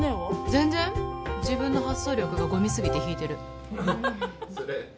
全然自分の発想力がゴミすぎて引いてるハハハハハ